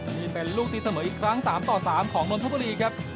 นี่เป็นลูกตีเสมออีกครั้ง๓ต่อ๓ของนนทบุรีครับ